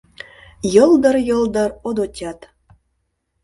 Йылдыр-йылдыр Одотят